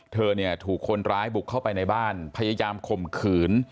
เธอเนี่ยถูกคนร้ายบุกเข้าไปในบ้านพยายามข่มขืน